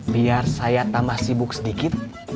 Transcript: biar saya tambah sibuk sedikit